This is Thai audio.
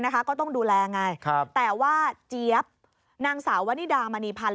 ก็ต้องดูแลไงแต่ว่าเจี๊ยบนางสาววนิดามณีพันธ